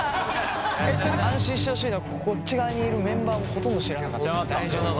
安心してほしいのはこっち側にいるメンバーもほとんど知らなかったから大丈夫。